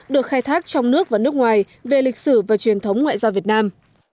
được khai thác trong nước và nước ngoài về lịch sử và truyền thống ngoại giao việt nam